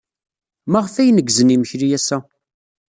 Maɣef ay neggzen imekli ass-a?